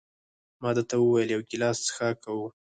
ما ده ته وویل: یو ګیلاس څښاک کوو؟